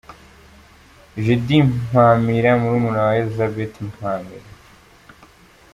Judie Mpamira murumuna wa Elizabeth Mpamira.